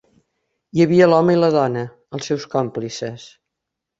Hi havia l'home i la dona, els seus còmplices.